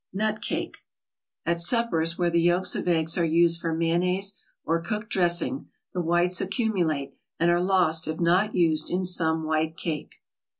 NUT CAKE At suppers where the yolks of eggs are used for mayonnaise or cooked dressing, the whites accumulate and are lost if not used in some white cake.